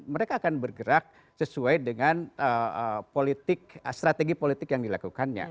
mereka akan bergerak sesuai dengan politik strategi politik yang dilakukannya